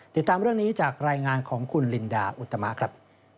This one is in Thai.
ติดตามเรื่องนี้จากรายงานของคุณลินดาอุตมะครับ